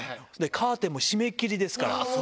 カーテンも閉めきりですから。